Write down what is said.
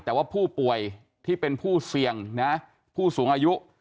แต่ว่าผู้ป่วยที่เป็นผู้เสี่ยงนะผู้สูงอายุ